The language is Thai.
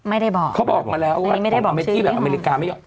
ไม่ได้บอกเขาบอกมาแล้วว่าอเมริกาไม่อยาก